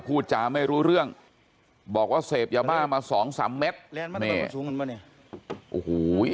พูดจาน่ไม่รู้เรื่องบอกว่าเศษบโยบ้ามา๒๓เม็ก